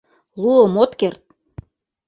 — Луым от керт!